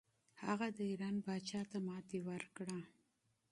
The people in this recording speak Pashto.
هغه د ایران پاچا ته ماتې ورکړه.